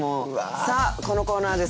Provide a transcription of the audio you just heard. さあこのコーナーはですね